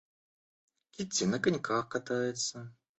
Кити на коньках катается.